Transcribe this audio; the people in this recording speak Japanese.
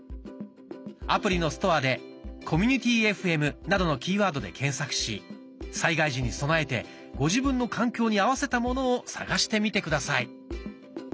アプリのストアで「コミュニティＦＭ」などのキーワードで検索し災害時に備えてご自分の環境に合わせたものを探してみて下さい。